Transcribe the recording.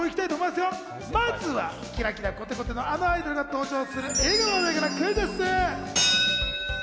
まずは、キラキラコテコテのあのアイドルも登場する映画の話題からクイズッス。